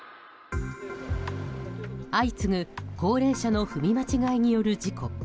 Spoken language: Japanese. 相次ぐ、高齢者の踏み間違えによる事故。